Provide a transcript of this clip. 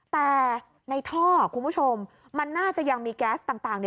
แต่ในท่อคุณผู้ชมมันน่าจะยังมีแก๊สต่าง